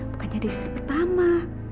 bukan jadi istri pertama